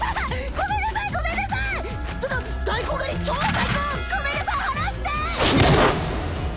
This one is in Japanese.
ごめんなさい離して！